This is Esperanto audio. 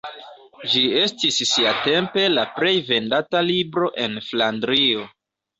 Ĝi estis siatempe la plej vendata libro en Flandrio.